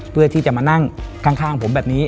เพื่อที่จะมานั่งข้างผมแบบนี้